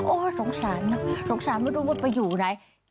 สงสารนะสงสารไม่รู้มันไปอยู่ไหน